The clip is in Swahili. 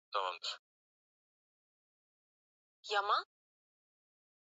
Limeongezeka kidogo tu katika mwaka huo, na kuiacha nchi hiyo chini ya mapato ya chini